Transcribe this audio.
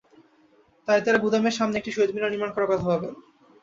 তাই তাঁরা গুদামের সামনেই একটি শহীদ মিনার নির্মাণ করার কথা ভাবেন।